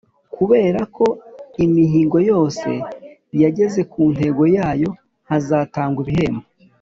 Kureba ko imihigo yose yageze ku ntego yayo hazatangwa ibihembo